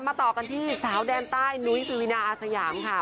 ต่อกันที่สาวแดนใต้นุ้ยปวีนาอาสยามค่ะ